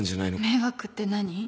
迷惑って何？